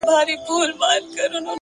لوی بدلون له کوچني تصمیم پیلېږي.!